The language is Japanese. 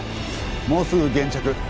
もうすぐ現着。